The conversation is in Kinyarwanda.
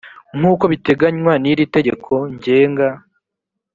nk uko biteganywa n iri tegeko ngenga